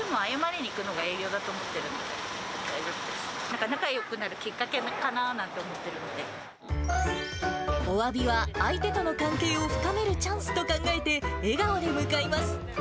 なんか仲よくなるきおわびは、相手との関係を深めるチャンスと考えて、笑顔で向かいます。